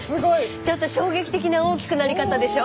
ちょっと衝撃的な大きくなり方でしょ。